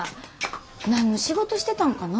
何の仕事してたんかな？